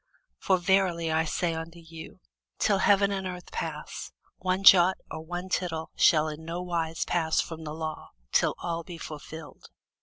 For verily I say unto you, Till heaven and earth pass, one jot or one tittle shall in no wise pass from the law, till all be fulfilled.